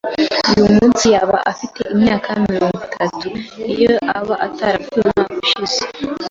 Uyu munsi yaba afite imyaka mirongo itatu iyo aba atarapfuye umwaka ushize.